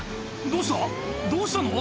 どうしたの？